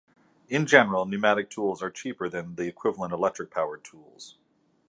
In general, pneumatic tools are cheaper than the equivalent electric-powered tools.